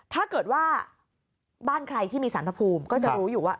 ถ้าเกิดว่าบ้านใครที่มีสารพระภูมิก็จะรู้อยู่ว่า